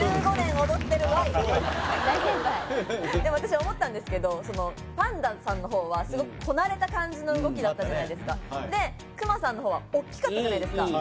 大先輩でも私思ったんですけどパンダさんの方はすごくこなれた感じの動きだったじゃないですかでクマさんの方はおっきかったじゃないですか